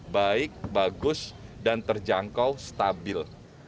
baik bagus dan terjangkau stabil